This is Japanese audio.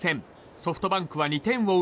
ソフトバンクは、２点を追う